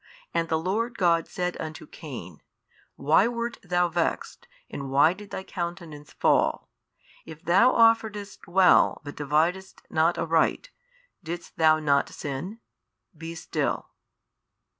And the Lord God said unto Cain, Why wert thou vexed and why did thy countenance fall? If thou offeredst well but dividedst not aright, didst thou not sin? be still.